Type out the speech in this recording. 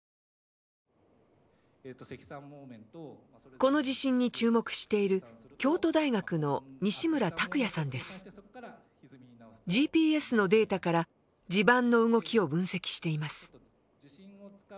この地震に注目しているＧＰＳのデータから地盤の動きを分析しています。